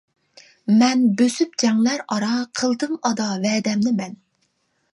مەن بۆسۈپ جەڭلەر ئارا، قىلدىم ئادا ۋەدەمنى مەن.